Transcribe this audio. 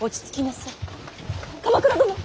鎌倉殿！